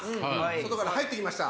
外から入ってきました。